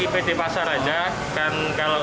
pt pasar aja dan kalau